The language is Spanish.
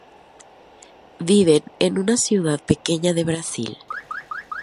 Viven en una ciudad pequeña de Brasil.